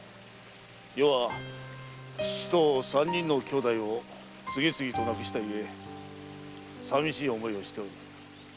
余は父と三人の兄弟を次々と亡くしたゆえさびしい思いをしておる。